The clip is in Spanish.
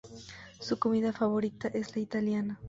Su comida favorita es la italiana.